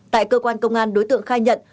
tại cơ quan công an đối tượng khai nhận